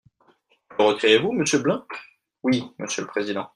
Le retirez-vous, monsieur Blein ? Oui, monsieur le président.